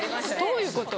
どういうこと？